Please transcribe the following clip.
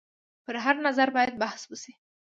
پر هر نظر باید بحث وشي.